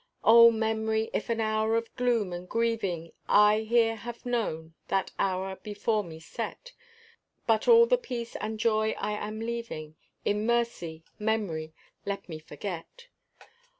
Oh, Memory, if an hour of gloom and grieving I here have known, that hour before me set; But all the peace and joy I am leaving, In mercy, Memory, let me forget.